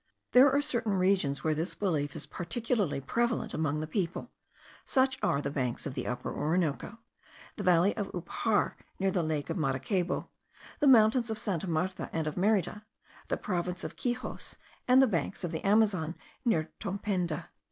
There are certain regions where this belief is particularly prevalent among the people; such are the banks of the Upper Orinoco, the valley of Upar near the lake of Maracaybo, the mountains of Santa Martha and of Merida, the provinces of Quixos, and the banks of the Amazon near Tomependa.